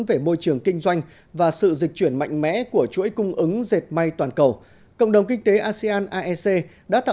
về môi trường của các doanh nghiệp diệt may việt nam